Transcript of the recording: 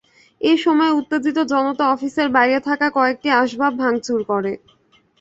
এ সময় উত্তেজিত জনতা অফিসের বাইরে থাকা কয়েকটি আসবাব ভাঙচুর করে।